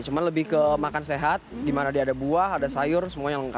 cuma lebih ke makan sehat dimana dia ada buah ada sayur semuanya lengkap